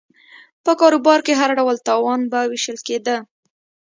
په کاروبار کې هر ډول تاوان به وېشل کېده